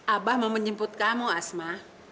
abah mau menjemput kamu asma